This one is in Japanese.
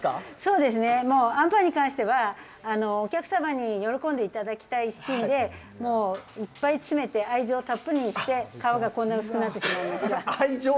そうですね、あんパンに関しては、お客様に喜んでいただきたい一心で、もう、いっぱい詰めて、愛情たっぷりにして、皮がこんなに薄くなってしまいました。